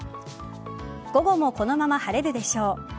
午後もこのまま晴れるでしょう。